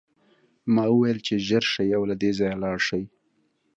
ما وویل چې ژر شئ او له دې ځایه لاړ شئ